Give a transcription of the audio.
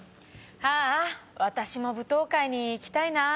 ああ私も舞踏会に行きたいなぁ。